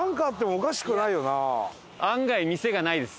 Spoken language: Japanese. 案外店がないです。